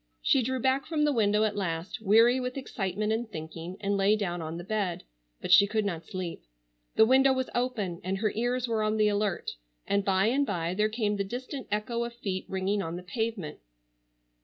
She drew back from the window at last, weary with excitement and thinking, and lay down on the bed, but she could not sleep. The window was open and her ears were on the alert, and by and by there came the distant echo of feet ringing on the pavement.